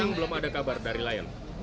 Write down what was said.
sekarang belum ada kabar dari layan